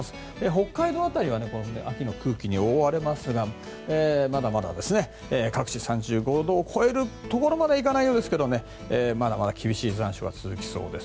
北海道辺りは秋の空気に覆われますがまだまだ各地３５度を超えるところまではいかないようですがまだまだ厳しい残暑が続きそうです。